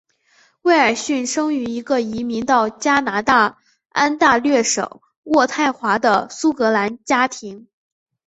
威尔逊生于一个移民到加拿大安大略省渥太华的苏格兰家庭。